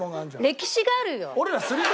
歴史があるよ。